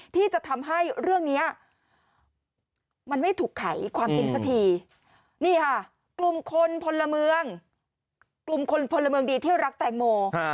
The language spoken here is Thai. ที่จะทำให้เรื่องนี้มันไม่ถูกไขความทิ้งสถีนี่ค่ะกลุ่มคนพลเมืองดีเที่ยวรักแตงโม